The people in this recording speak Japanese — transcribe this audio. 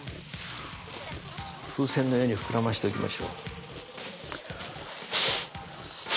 風船のように膨らませておきましょう。